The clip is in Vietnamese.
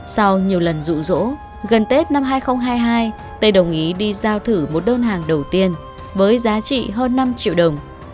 sau nhiều lần rụ rỗ gần tết năm hai nghìn hai mươi hai tây đồng ý đi giao thử một đơn hàng đầu tiên với giá trị hơn năm triệu đồng